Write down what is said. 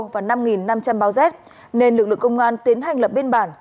và năm năm trăm linh bao rét nên lực lượng công an tiến hành lập bên bản